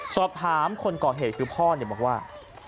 สอบถามคนก่อเหตุคือพ่อเนี่ยบอกว่า